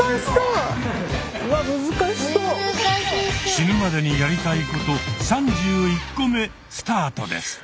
死ぬまでにやりたいこと３１個目スタートです！